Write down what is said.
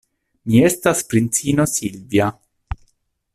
Mi estas princino Silvja.